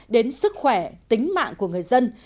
đến sức khỏe tính mạng của người dân